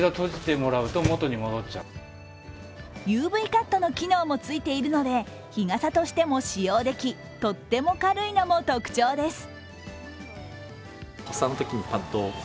ＵＶカットの機能もついているので日傘としても使用でき、とっても軽いのも特徴です。